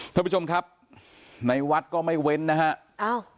ท่านผู้ชมครับในวัดก็ไม่เว้นนะฮะอ้าว